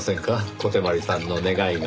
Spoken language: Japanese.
小手鞠さんの願いが。